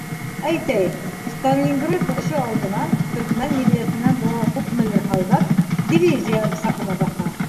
Әйтәйек, Сталинград һуғышы алдынан төркмән милләтенән булған күпмелер һалдат дивизия сафына баҫа.